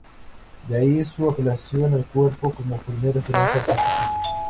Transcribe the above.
De ahí su apelación al 'cuerpo' como primer referente artístico.